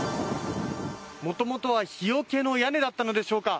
元々は、日よけの屋根だったのでしょうか。